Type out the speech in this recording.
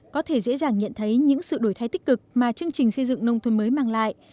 có thể dễ dàng nhận thấy những sự đổi thay tích cực mà chương trình xây dựng nông thôn mới mang lại